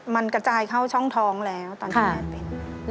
มันกระจายเข้าช่องท้องแล้วตอนที่แม่เป็น